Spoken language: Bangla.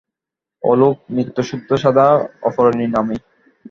আলোক নিত্যশুদ্ধ, সদা অপরিণামী।